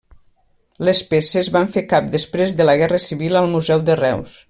Les peces van fer cap després de la guerra civil, al Museu de Reus.